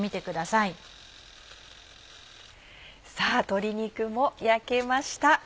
さぁ鶏肉も焼けました。